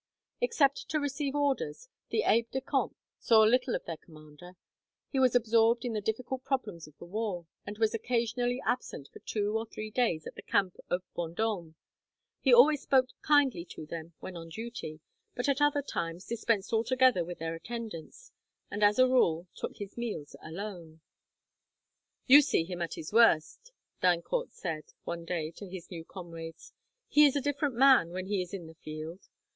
Except to receive orders, the aides de camp saw little of their commander. He was absorbed in the difficult problems of the war, and was occasionally absent for two or three days at the camp of Vendome. He always spoke kindly to them when on duty, but at other times dispensed altogether with their attendance, and as a rule took his meals alone. "You see him at his worst," d'Eyncourt said one day to his new comrades, "He is a different man when he is in the field.